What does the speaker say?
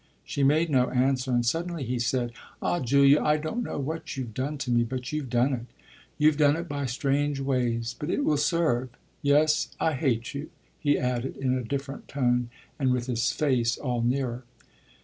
She made no answer, and suddenly he said: "Ah Julia, I don't know what you've done to me, but you've done it. You've done it by strange ways, but it will serve. Yes, I hate you," he added in a different tone and with his face all nearer.